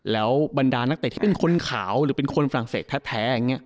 แล้วบรรดานักเตะที่เป็นคนขาวหรือเป็นคนฝรั่งเศสแท้อย่างนี้